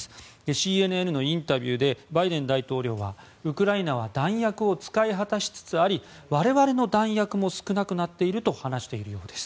ＣＮＮのインタビューでバイデン大統領はウクライナは弾薬を使い果たしつつあり我々の弾薬も少なくなっていると話しているようです。